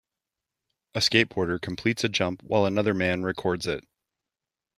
A skateboarder completes a jump while another man records it.